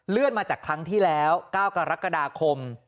มาจากครั้งที่แล้ว๙กรกฎาคม